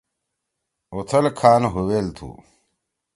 اُوتھل کھان ہُویل تُھو